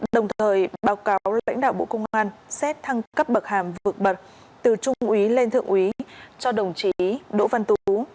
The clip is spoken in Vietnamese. đồng thời báo cáo lãnh đạo bộ công an xét thăng cấp bậc hàm vượt bậc từ trung úy lên thượng úy cho đồng chí đỗ văn tú